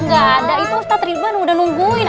enggak ada itu ustaz ritwan udah nungguin